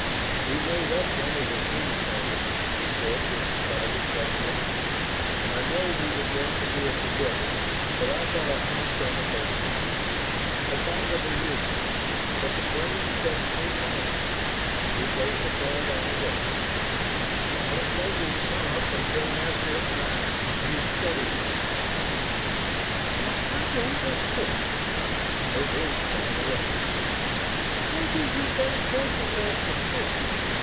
"We made up one of the teams, Sandy," he said, with surprising diffidence. "I know we were going to do it together, but I got a hunch on the first team. A kind of a weirdie, but the brains checked me on it." He placed a card on her desk. "Don't blow your top until after I you've studied it." "Why, I won't, of course...." Her voice died away. "Maybe you'd better cancel that 'of course'...."